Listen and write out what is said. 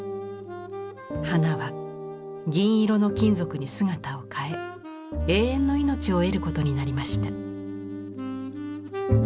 花は銀色の金属に姿を変え永遠の命を得ることになりました。